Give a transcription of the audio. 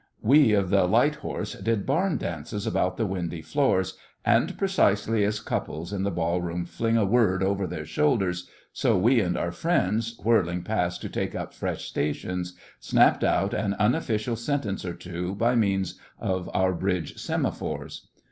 We of the light horse did barn dances about the windy floors; and precisely as couples in the ball room fling a word over their shoulders, so we and our friends, whirling past to take up fresh stations, snapped out an unofficial sentence or two by means of our bridge semaphores.